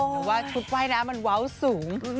หรือว่าชุดว่ายน้ำมันว้าวสูง